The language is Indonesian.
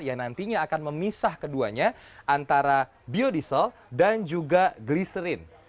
yang nantinya akan memisah keduanya antara biodiesel dan juga gliserin